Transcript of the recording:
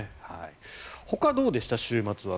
ほか、どうでした、週末は。